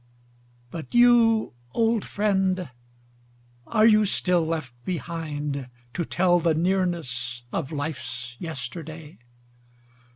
But you old friend, are you still left behind To tell the nearness of life's yesterday